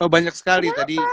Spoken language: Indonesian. oh banyak sekali